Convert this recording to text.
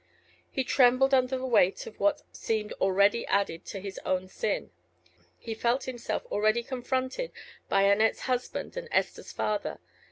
He trembled under the weight that seemed already added to his own sin; he felt himself already confronted by Annette's husband and Esther's father.